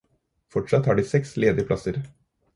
Fortsatt har de seks ledige plasser.